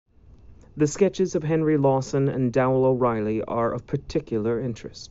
The sketches of Henry Lawson and Dowell O'Reilly are of particular interest.